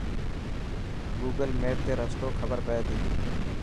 گوگل ميپ تي رستو خبر پئي تي.